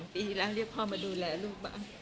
ปีแล้วเรียกพ่อมาดูแลลูกบ้าง